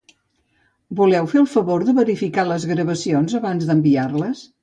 Voleu fer el favor de verificar les gravacions abans d'enviar-les?